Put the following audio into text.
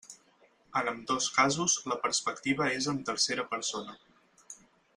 En ambdós casos la perspectiva és en tercera persona.